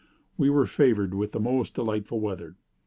We were favored with most delightful weather.